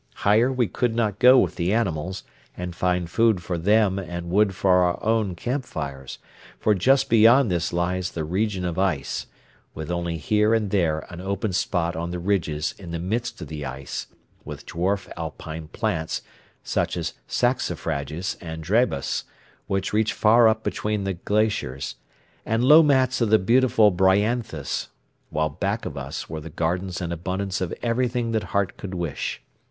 Higher we could not go with the animals and find food for them and wood for our own campfires, for just beyond this lies the region of ice, with only here and there an open spot on the ridges in the midst of the ice, with dwarf alpine plants, such as saxifrages and drabas, which reach far up between the glaciers, and low mats of the beautiful bryanthus, while back of us were the gardens and abundance of everything that heart could wish.